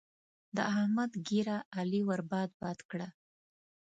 د احمد ږيره؛ علي ور باد باد کړه.